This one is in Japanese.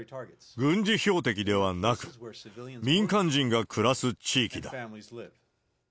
軍事標的ではなく、民間人が暮らす地域だ。